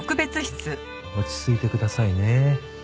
落ち着いてくださいね。